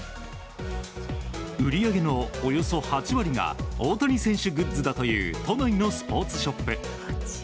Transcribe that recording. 売り上げのおよそ８割が大谷選手グッズだという都内のスポーツショップ。